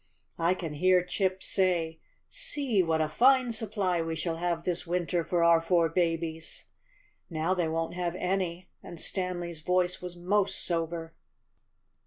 I can hear Chip say, ^See what a fine supply we shall have this winter for our four babies.' " "Now they won't have any," and Stanley's voice was most sober. 52 STANLEY AND THE SQUIRRELS.